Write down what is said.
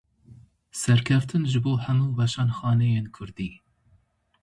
Serkeftin ji bo hemû weşanxaneyên kurdî.